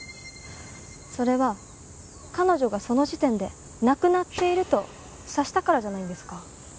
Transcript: それは彼女がその時点で亡くなっていると察したからじゃないんですか？